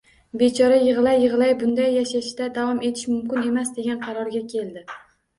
Bechora yig`lay-yig`lay bunday yashashda davom etish mumkin emas, degan qarorga keldi